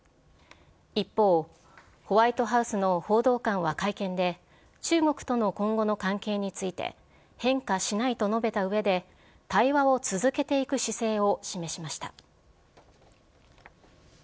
一方、ホワイトハウスの報道官は会見で、中国との今後の関係について、変化しないと述べたうえで、対話を続けていく姿勢を示しました。